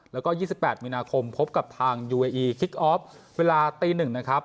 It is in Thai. แล้วก็ยี่สิบแปดมีนาคมพบกับทางยูเอียีคิกออฟเวลาตีหนึ่งนะครับ